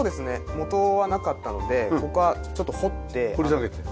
元はなかったのでここはちょっと掘って基礎の補強を。